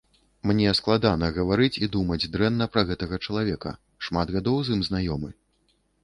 Мне складана гаварыць і думаць дрэнна пра гэтага чалавека, шмат гадоў з ім знаёмы.